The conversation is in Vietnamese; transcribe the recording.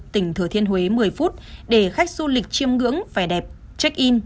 tỉnh thừa thiên huế một mươi phút để khách du lịch chiêm ngưỡng vẻ đẹp check in